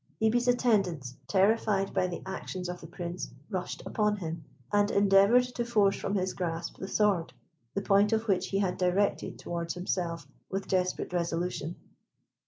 Hebe's attendants, terrified by the actions of the Prince, rushed upon him, and endeavoured to force from his grasp the sword, the point of which he had directed towards himself with desperate resolution.